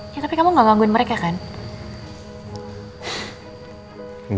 ya tapi kamu gak gangguin mereka kan